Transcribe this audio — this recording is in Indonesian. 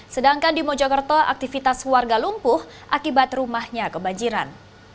sedangkan di mojokerto aktivitas warga lumpuh akibat rumahnya kebanjiran